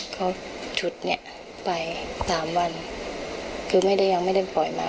เขาฉุดนี่ไป๓วันคือยังไม่ได้ปล่อยมา